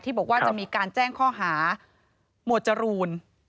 บอกว่าจะมีการแจ้งข้อหาหมวดจรูน